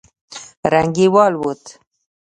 رنگ يې والوت.